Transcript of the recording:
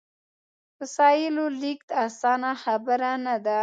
وسایلو لېږد اسانه خبره نه ده.